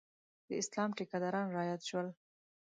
د اسلام ټیکداران رایاد شول.